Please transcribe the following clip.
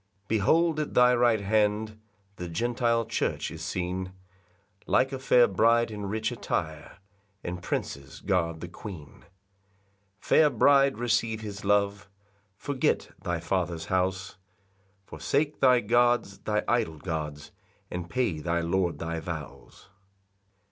] 6 [Behold, at thy right hand The Gentile church is seen, Like a fair bride in rich attire, And princes guard the queen.] 7 Fair bride, receive his love, Forget thy father's house; Forsake thy gods, thy idol gods, And pay thy Lord thy vows.